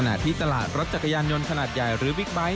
ที่ตลาดรถจักรยานยนต์ขนาดใหญ่หรือบิ๊กไบท์